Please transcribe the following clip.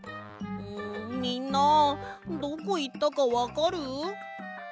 みんなどこいったかわかる？